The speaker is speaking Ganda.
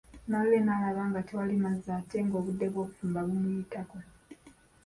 Nalule naalaba nga tewali mazzi ate nga obudde bw’okufumba bumuyitako.